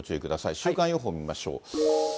週間予報を見ましょう。